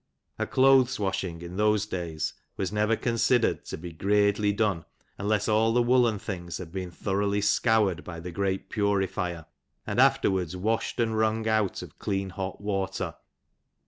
A clothes washing, in those days, was never considered to be '* greadly dun" unless all the woollen things had been thoroughly scoured by the great purifier, and afterwards washed and wrung out of clean hot water.